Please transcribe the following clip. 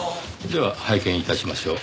では拝見致しましょう。